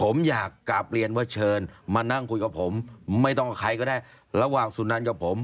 ผมอยากกลับเรียนว่าเชิญมานั่งคุยกับผมไม่ต้องกับใครก็ได้ระหว่างสุนันกับผม